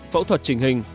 phẫu thuật chỉnh hình